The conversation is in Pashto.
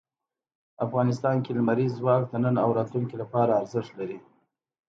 افغانستان کې لمریز ځواک د نن او راتلونکي لپاره ارزښت لري.